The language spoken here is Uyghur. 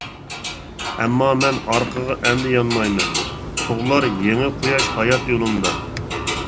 ئەمما مەن ئارقىغا ئەمدى يانمايمەن، تۇغلار يېڭى قۇياش ھايات يولۇمدا.